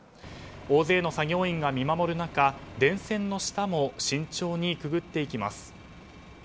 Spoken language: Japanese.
大勢の作業員が見守る中電線の下も慎重にくぐっていきます。